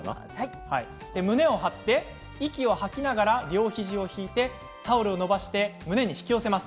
胸を張って息を吐きながら両肘を引いてタオルを伸ばして胸に引き寄せます。